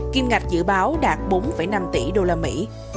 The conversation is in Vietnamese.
kiêm ngạch dự báo đạt bốn năm triệu tấn đô la mỹ